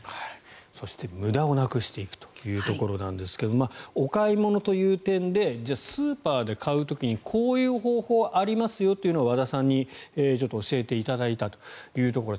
そして無駄をなくしていくというところなんですがお買い物という点でスーパーで買う時にこういう方法がありますよというのを和田さんに教えていただいたというところです。